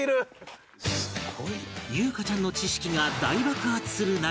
裕加ちゃんの知識が大爆発する中